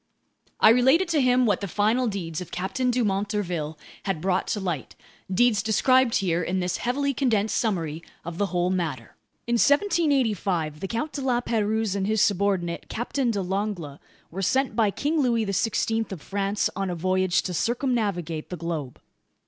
I related to him what the final deeds of Captain Dumont d'Urville had brought to light, deeds described here in this heavily condensed summary of the whole matter. In 1785 the Count de La Pérouse and his subordinate, Captain de Langle, were sent by King Louis XVI of France on a voyage to circumnavigate the globe.